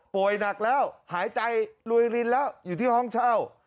หนักแล้วหายใจลุยรินแล้วอยู่ที่ห้องเช่า